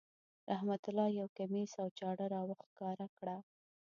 رحمت الله یو کمیس او چاړه را وښکاره کړه.